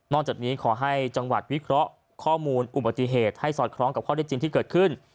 จากนี้ขอให้จังหวัดวิเคราะห์ข้อมูลอุบัติเหตุให้สอดคล้องกับข้อได้จริงที่เกิดขึ้น